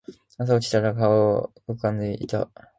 朝起きたら顔浮腫んでいた